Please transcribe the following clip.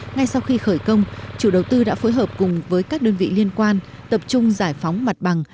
ngay sau khi khởi công chủ đầu tư đã phối hợp cùng với các đơn vị liên quan tập trung giải phóng mặt bằng